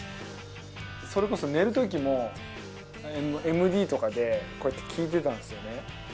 それこそ寝る時もＭＤとかでこうやって聴いてたんですよね。